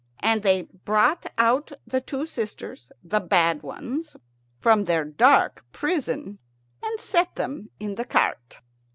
And they brought out the two sisters, the bad ones, from their dark prison, and set them in the cart.